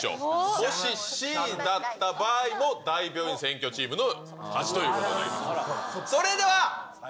もしＣだった場合も大病院占拠チームの勝ちということになります。